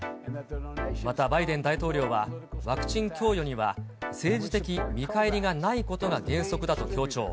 またバイデン大統領は、ワクチン供与には政治的見返りがないことが原則だと強調。